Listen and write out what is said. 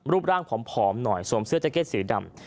รูปร่างผอมหน่อยสวมเสื้อแจ็ตสีดำ